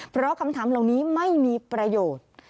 เพราะคำถามเหล่านี้ไม่มีประโยชน์